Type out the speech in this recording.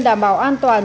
đảm bảo an toàn